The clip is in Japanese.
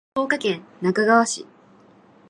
福岡県那珂川市